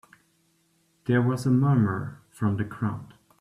There was a murmur from the crowd.